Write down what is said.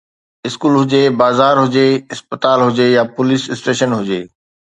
school هجي، بازار هجي، اسپتال هجي يا پوليس اسٽيشن هجي